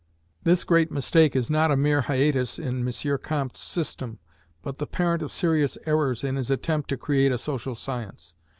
This great mistake is not a mere hiatus in M. Comte's system, but the parent of serious errors in his attempt to create a Social Science.